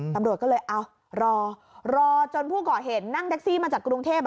ตำรวจก็เลยรอรอจนผู้ก่อเหตุนั่งแท็กซี่มาจากกรุงเทพ